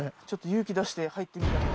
ちょっと勇気出して入ってみた。